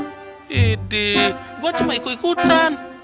gede gua cuma ikut ikutan